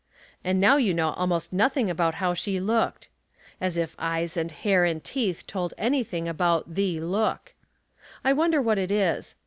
And now you know almost nothing about how she looked. As if eyes and hair and teeth told anything about the look, I wonder what it is.